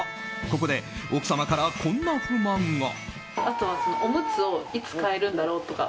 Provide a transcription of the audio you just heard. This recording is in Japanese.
ここで奥様から、こんな不満が。